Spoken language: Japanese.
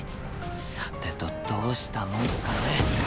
さてとどうしたもんかね